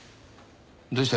どうした？